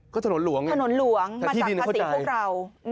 ก็ถนนหลวงไงถนนหลวงมาจากภาษีพวกเรา